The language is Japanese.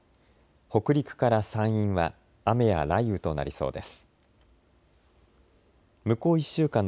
北陸から山陰は雨や雷雨となりそうです。